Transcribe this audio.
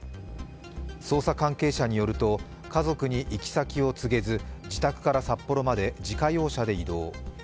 捜査関係者によると家族に行き先を告げず自宅から札幌まで自家用車で移動。